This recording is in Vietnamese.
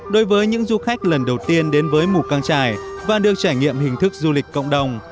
đối với những du khách lần đầu tiên đến với mù căng trải và được trải nghiệm hình thức du lịch cộng đồng